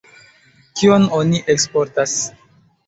Kion oni eksportas?